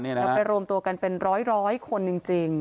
เราไปรวมตัวกันเป็นร้อยคนจริง